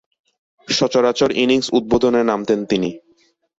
সচরাচর ইনিংস উদ্বোধনে নামতেন তিনি।